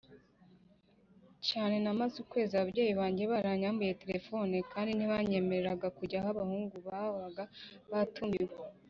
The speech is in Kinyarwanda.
cyane Namaze ukwezi ababyeyi banjye baranyambuye telefoni kandi ntibanyemereraga kujya aho abo bahungu babaga batumiwe